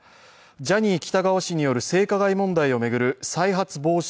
ジャニー喜多川氏による性加害問題を巡る再発防止